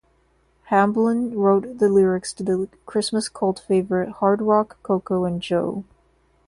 Hamblen wrote the lyrics to the Christmas cult favorite, "Hardrock, Coco and Joe".